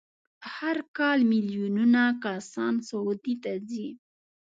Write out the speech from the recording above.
هر کال میلیونونه کسان سعودي ته ځي.